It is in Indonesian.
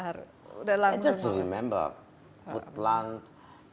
saya ingat kita punya kota gerai